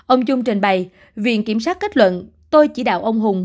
ông trung trình bày viện kiểm soát kết luận tôi chỉ đạo ông hùng